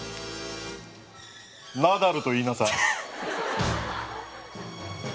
ナダルと言いなさい。